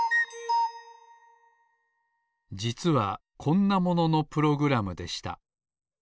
じつはこんなもののプログラムでした。